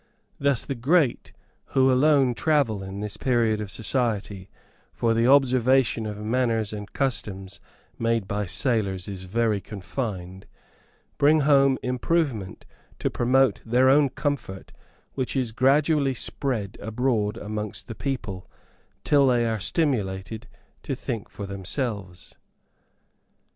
Thus the great, who alone travel in this period of society, for the observation of manners and customs made by sailors is very confined, bring home improvement to promote their own comfort, which is gradually spread abroad amongst the people, till they are stimulated to think for themselves.